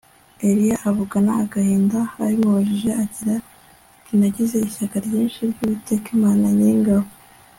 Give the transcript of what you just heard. Eliya avugana agahinda ibimubabaje agira ati Nagize ishyaka ryinshi ryUwiteka Imana Nyiringabo